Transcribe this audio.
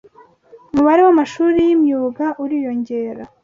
Umubare w’amashuri y’imyuga uriyongera